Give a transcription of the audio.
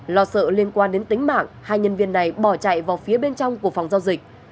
lo sợ liên quan đến tính mạng hai nhân viên này bỏ chạy vào phía bên trong của phòng giao dịch